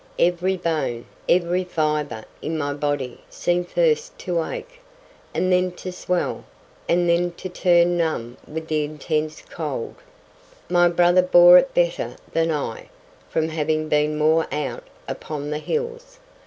Every bone, every fibre in my body seemed first to ache, and then to swell, and then to turn numb with the intense cold. My brother bore it better than I, from having been more out upon the hills.